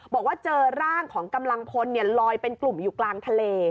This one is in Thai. บอกว่าเจอร่างของกำลังพลลอยเป็นกลุ่มอยู่กลางทะเล